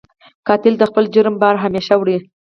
قاتل د خپل جرم بار همېشه وړي